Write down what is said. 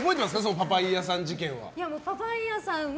パパイヤさん事件は。